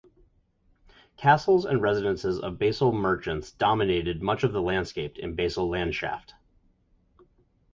Castles and residences of Basel merchants dominated much of the landscape in Basel-Landschaft.